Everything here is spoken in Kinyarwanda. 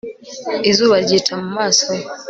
izuba ryica mu maso he